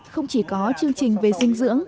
không chỉ có chương trình về dinh dưỡng